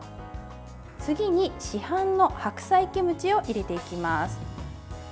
次に、市販の白菜キムチを入れていきます。